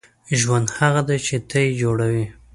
• ژوند هغه دی چې ته یې جوړوې.